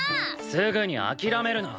すぐに諦めるな。